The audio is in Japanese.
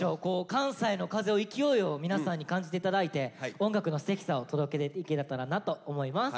関西の風の勢いを皆さんに感じて頂いて音楽のすてきさを届けていけれたらなと思います。